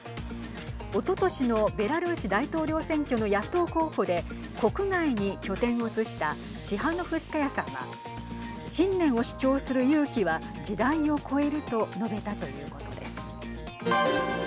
おととしのベラルーシ大統領選挙の野党候補で国外に拠点を移したチハノフスカヤさんは信念を主張する勇気は時代を超えると述べたということです。